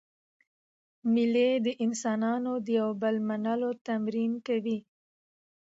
مېلې د انسانانو د یو بل منلو تمرین کوي.